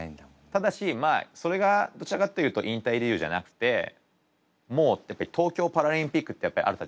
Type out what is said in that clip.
ただしまあそれがどちらかというと引退理由じゃなくてもう東京パラリンピックってあったじゃないですか。